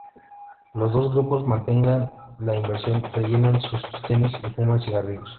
Los dos grupos mantenga la inversión, rellenan sus sostenes y fuman cigarrillos.